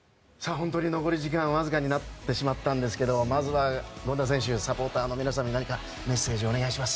本当に残り時間がわずかになってしまいましたがまずは権田選手サポーターの皆さんに何かメッセージをお願いします。